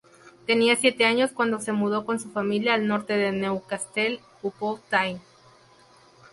Tenía siete años cuando se mudó con su familia al norte de Newcastle upon-Tyne.